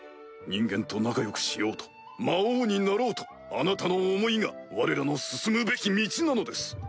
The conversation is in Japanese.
人間と仲良くしようと魔王になろうとあなたの思いがわれらの進むべき道なのです。